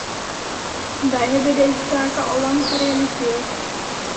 Wij hebben deze zaken allang gerealiseerd.